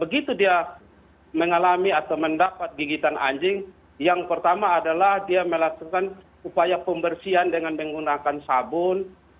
begitu dia mengalami atau mendapat gigitan anjing yang pertama adalah dia melakukan upaya pembersihan dengan menggunakan sabun